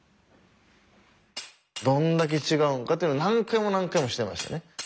どんだけ違うんかっていうのを何回も何回もしていましたね。